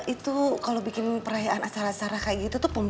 itu kalau bikin perayaan acara acara kayak gitu tuh